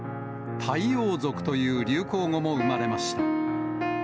太陽族という流行語も生まれました。